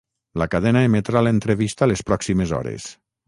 La cadena emetrà l’entrevista les pròximes hores.